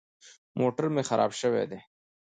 موټر مې خراب شوی دی.